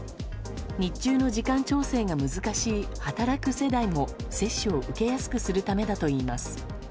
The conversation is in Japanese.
日中の時間調整が難しい働く世代も接種を受けやすくするためだといいます。